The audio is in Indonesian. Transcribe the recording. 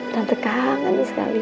tante kangen sekali